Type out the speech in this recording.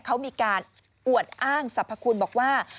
เขามีการอวดอ้างสรรพคุณบอกว่า